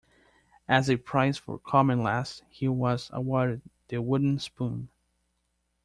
As a prize for coming last, he was awarded the wooden spoon.